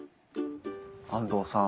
安藤さん。